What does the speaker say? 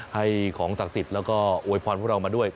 ให้ของศักดิ์สิทธิ์แล้วก็อวยพรพวกเรามาด้วย